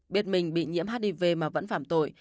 biết mình bị nhiễm hiv mà vẫn phạm tội